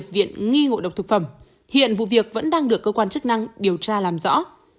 viện nghi ngộ độc thực phẩm hiện vụ việc vẫn đang được cơ quan chức năng điều tra làm rõ